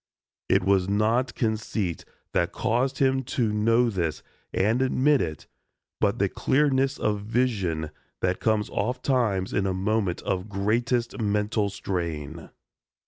It was not conceit that caused him to know this and admit it but the clearness of vision that comes oft times in a moment of greatest mental strain.